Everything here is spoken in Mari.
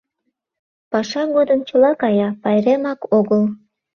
Паша годым чыла кая, пайремак огыл.